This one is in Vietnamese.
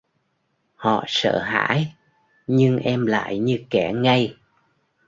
Họ sợ hãi nhưng em lại như kẻ ngây